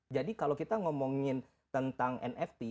jadi kalau kita ngomongin tentang nft